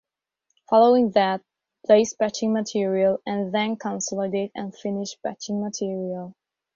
Following that, place patching material and then consolidate and finish patching material.